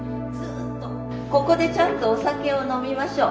ここでちゃんとお酒を飲みましょう。